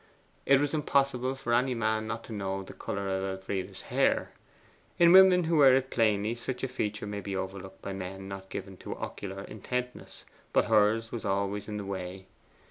It was impossible for any man not to know the colour of Elfride's hair. In women who wear it plainly such a feature may be overlooked by men not given to ocular intentness. But hers was always in the way.